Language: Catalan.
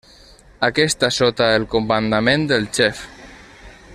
Aquesta sota el comandament del Xef.